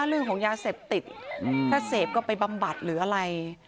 เรื่องของยาเสพติดถ้าเสพก็ไปบำบัดหรืออะไร